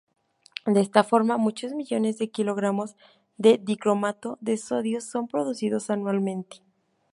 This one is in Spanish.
De esta forma, muchos millones de kilogramos de dicromato de sodio son producidos anualmente.